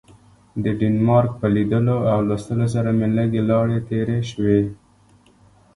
د ډنمارک په لیدلو او لوستلو سره مې لږې لاړې تیرې شوې.